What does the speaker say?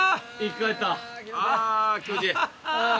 ああ気持ちいい！